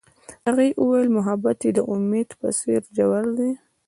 هغې وویل محبت یې د امید په څېر ژور دی.